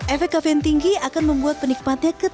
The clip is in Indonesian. efek kafein tinggi akan membuat penikmatian di dalamnya lebih tinggi